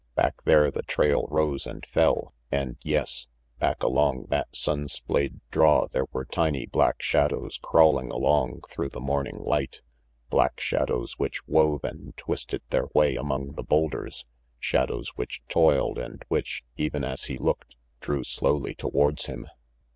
Back there the trail rose and fell and yes! Back along that sun splayed draw there were tiny black shadows crawling along through the morning light. Black shadows which wove and twisted their way among the boulders, shadows which toiled, and which, even as he looked, drew slowly towards him.